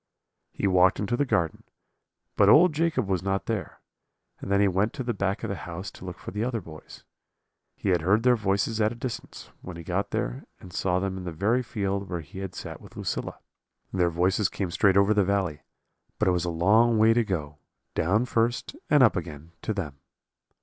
"He walked into the garden, but old Jacob was not there, and then he went to the back of the house to look for the other boys. He had heard their voices at a distance, when he got there, and saw them in the very field where he had sat with Lucilla. Their voices came straight over the valley; but it was a long way to go, down first and up again, to them.